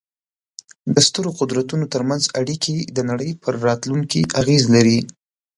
د سترو قدرتونو ترمنځ اړیکې د نړۍ پر راتلونکې اغېز لري.